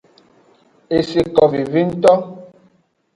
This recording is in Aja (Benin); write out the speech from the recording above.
Eseko veve ngto.